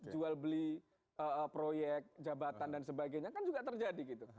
jual beli proyek jabatan dan sebagainya kan juga terjadi gitu